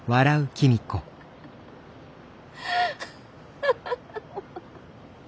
ハハハハハ。